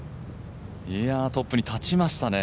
トップに立ちましたね。